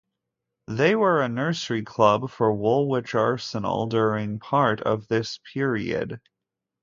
They were a nursery club for Woolwich Arsenal during part of this period.